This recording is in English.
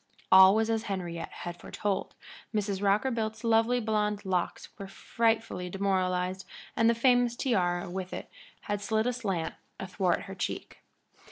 All was as Henriette had foretold, Mrs. Rockerbilt's lovely blond locks were frightfully demoralized, and the famous tiara with it had slid aslant athwart her cheek.